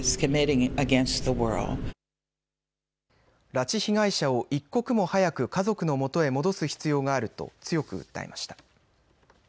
拉致被害者を一刻も早く家族のもとへ戻す必要があると強く訴えました。